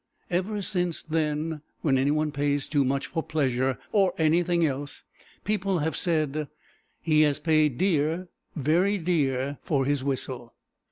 Ever since then, when any one pays too much for pleasure, or anything else, people have said: "He has paid dear, very dear, for his whistle."